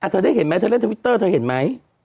เธอได้เห็นไหมเธอเล่นทวิตเตอร์เธอเห็นไหม